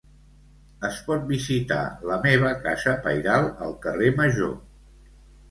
Es pot visitar la meva casa pairal al carrer Major.